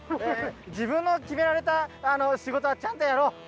自分の決められた仕事はちゃんとやろう。